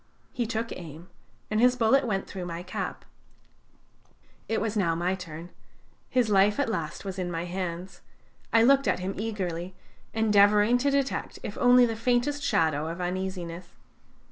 He took aim, and his bullet went through my cap. It was now my turn. His life at last was in my hands; I looked at him eagerly, endeavoring to detect if only the faintest shadow of uneasiness.